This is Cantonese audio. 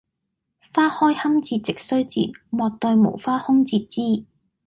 花開堪折直須折，莫待無花空折枝！